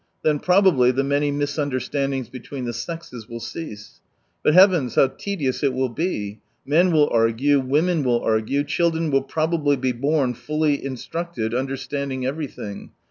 Then, probably, the many mis understandings between the sexes will' cease. But heavens, how tedious it will be ! Men will argue, women will argue, children will probably be born fully instructed, under standing everything.